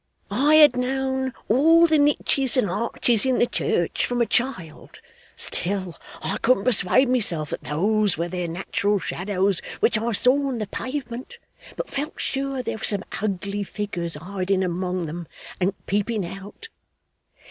I had known all the niches and arches in the church from a child; still, I couldn't persuade myself that those were their natural shadows which I saw on the pavement, but felt sure there were some ugly figures hiding among 'em and peeping out.